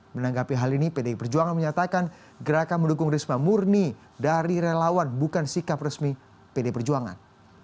menanggapi hal ini pdi perjuangan menyatakan gerakan mendukung risma murni dari relawan bukan sikap resmi pd perjuangan